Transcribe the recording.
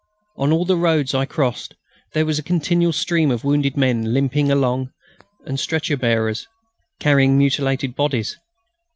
On all the roads I crossed there was a continual stream of wounded men limping along and stretcher bearers carrying mutilated bodies.